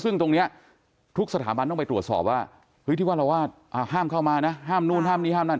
ซึ่งตรงนี้ทุกสถาบันต้องไปตรวจสอบว่าเฮ้ยที่ว่าเราวาดห้ามเข้ามานะห้ามนู่นห้ามนี่ห้ามนั่น